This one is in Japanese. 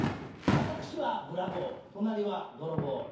私はブラボー、隣は泥棒。